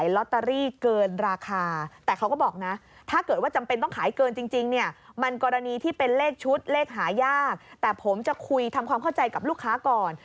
เลขชุดเลขหายากแต่ผมจะคุยทำความเข้าใจกับลูกค้าก่อน